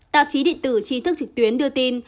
tạp chí điện tử tri thức trực tuyến đưa tin